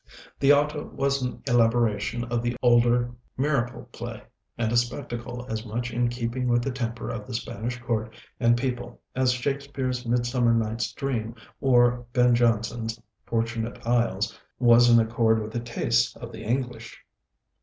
[Illustration: CALDERON.] The auto was an elaboration of the older miracle play, and a spectacle as much in keeping with the temper of the Spanish court and people as Shakespeare's 'Midsummer Night's Dream' or Ben Jonson's 'Fortunate Isles' was in accord with the tastes of the English.